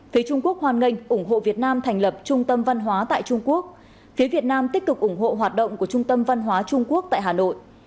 phía trung quốc hoan nghênh ủng hộ việt nam thành lập trung tâm văn hóa tại trung quốc phía việt nam tích cực ủng hộ hoạt động của trung tâm văn hóa trung quốc tại hà nội